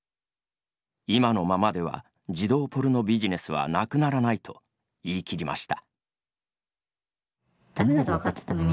今のままでは児童ポルノビジネスはなくならないと言い切りました。